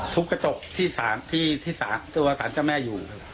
ทุบกระจกที่สรารเจ้าวาสารเจ้าแม่บริการอยู่